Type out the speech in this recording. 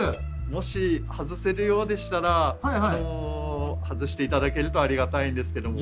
もし外せるようでしたら外して頂けるとありがたいんですけども。